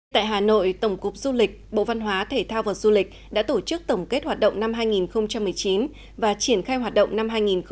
tại hà nội tổng cục du lịch bộ văn hóa thể thao và du lịch đã tổ chức tổng kết hoạt động năm hai nghìn một mươi chín và triển khai hoạt động năm hai nghìn hai mươi